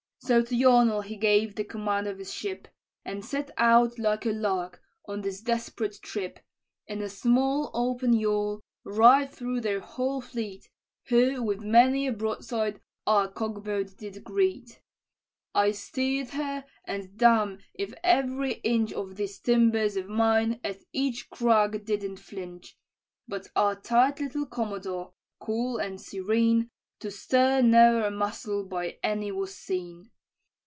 "So to Yarnall he gave the command of his ship, And set out, like a lark, on this desperate trip, In a small open yawl, right through their whole fleet, Who with many a broadside our cockboat did greet. "I steer'd her and damme if every inch Of these timbers of mine at each crack didn't flinch: But our tight little commodore, cool and serene, To stir ne'er a muscle by any was seen.